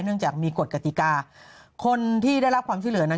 เนื่องจากมีกฎกติกาคนที่ได้รับความช่วยเหลือนั้น